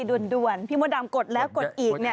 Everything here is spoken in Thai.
ด่วนพี่มดดำกดแล้วกดอีกเนี่ย